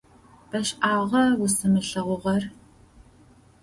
Бэшӏагъэ узысымылъэгъугъэр.